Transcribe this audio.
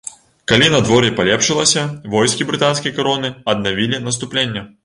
Калі надвор'е палепшылася, войскі брытанскай кароны аднавілі наступленне.